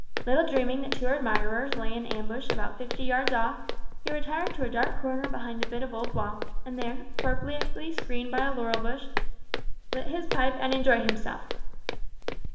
Little dreaming that two admirers lay in ambush about fifty yards off, he retired to a dark corner behind a bit of old wall, and there, appropriately screened by a laurel bush, lit his pipe and enjoyed himself.